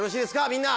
みんな。